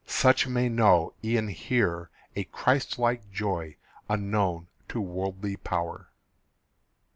Such may know e'en here A Christ like joy unknown to worldly power.